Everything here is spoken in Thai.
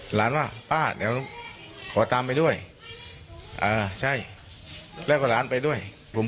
หลานว่าป้าเดี๋ยวขอตามไปด้วยอ่าใช่แล้วก็หลานไปด้วยผม